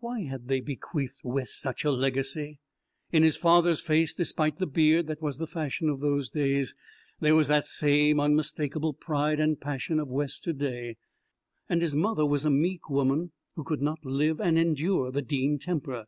Why had they bequeathed Wes such a legacy? In his father's face, despite the beard that was the fashion of those days, there was the same unmistakable pride and passion of Wes to day. And his mother was a meek woman who could not live and endure the Dean temper.